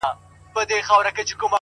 تا ولي په مسکا کي قهر وخندوئ اور ته،